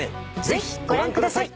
ぜひご覧ください。